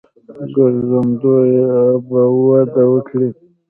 ګرځندوی به وده وکړي.